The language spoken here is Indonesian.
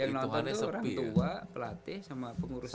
yang nonton itu orang tua pelatih sama pengurus